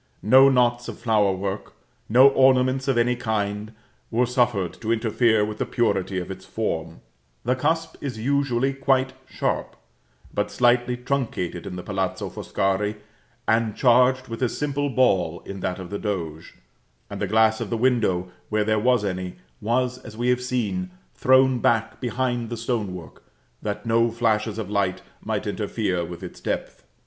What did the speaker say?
No knots of flowerwork, no ornaments of any kind, were suffered to interfere with the purity of its form: the cusp is usually quite sharp; but slightly truncated in the Palazzo Foscari, and charged with a simple ball in that of the Doge; and the glass of the window, where there was any, was, as we have seen, thrown back behind the stone work, that no flashes of light might interfere with its depth.